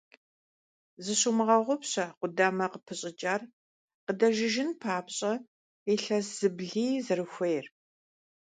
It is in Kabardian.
Зыщумыгъэгъупщэ къудамэ къыпыщӀыкӀар къыдэжыжын папщӀэ илъэси зыблый зэрыхуейр.